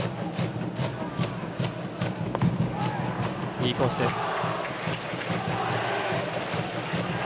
いいコースです。